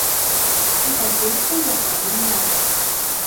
А пакуль што запалім лямпу.